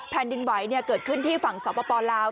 แผ่นดินไหวเนี่ยเกิดขึ้นที่ฝั่งเสาประปอลาว